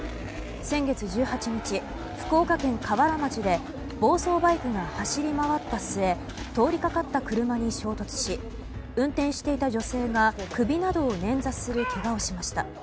先月１８日、福岡県香春町で暴走バイクが走り回った末通りかかった車に衝突し運転していた女性が首などを捻挫するけがをしました。